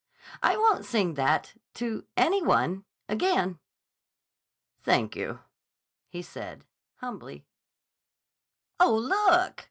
"I won't sing that—to any one—again." "Thank you," he said humbly. "Oh, look!"